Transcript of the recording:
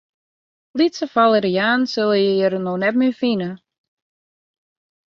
Lytse falerianen sille je hjir no net mear fine.